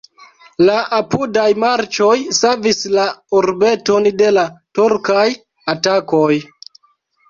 La apudaj marĉoj savis la urbeton de la turkaj atakoj.